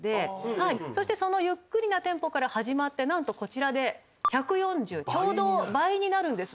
そしてそのゆっくりなテンポから始まって何とこちらで１４０ちょうど倍になるんですね。